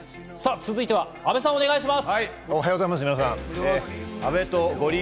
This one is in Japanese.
続いては、阿部さんお願いします。